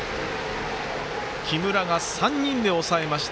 木村が３人で抑えました。